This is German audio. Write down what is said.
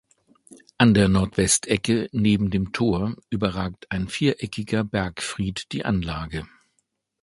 An der Nordwestecke neben dem Tor überragt ein viereckiger Bergfried die Anlage.